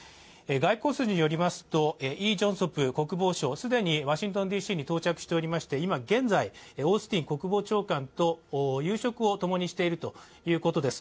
外交筋によりますと、イ・ジョンソク国防相、既にワシントンＤＣに到着していまして今現在、オースティン国防長官と夕食をともにしているということです。